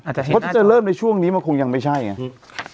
อาจจะเห็นน่ะจะเริ่มในช่วงนี้มันคงยังไม่ใช่อืม